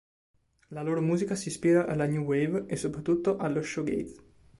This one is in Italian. La loro musica si ispira alla new wave e soprattutto allo shoegaze.